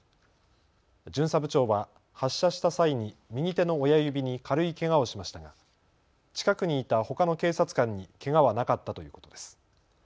巡査部長は発射した際に右手の親指に軽いけがをしましたが近くにいたほかの警察官にけがはなかったということです。